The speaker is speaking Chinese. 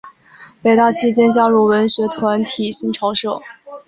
北大期间加入文学团体新潮社。